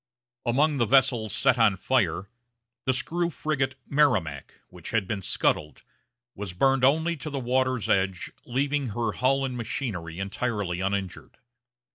Among the vessels set on fire, the screw frigate Merrimac, which had been scuttled, was burned only to the water's edge, leaving her hull and machinery entirely uninjured.